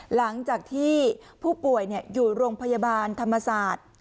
หลังจากที่ผู้ป่วยอยู่โรงพยาบาลธรรมศาสตร์